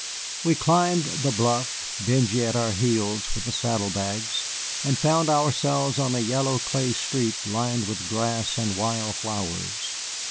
We climbed the bluff, Benjy at our heels with the saddle bags, and found ourselves on a yellow clay street lined with grass and wild flowers.